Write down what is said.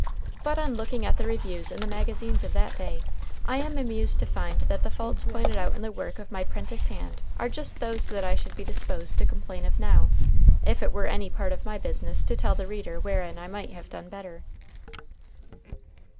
But on looking at the reviews in the magazines of that day, I am amused to find that the faults pointed out in the work of my prentice hand are just those that I should be disposed to complain of now, if it were any part of my business to tell the reader wherein I might have done better.